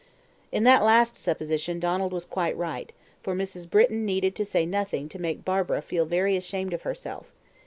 In that last supposition Donald was quite right, for Mrs. Britton needed to say nothing to make Barbara feel very much ashamed of herself.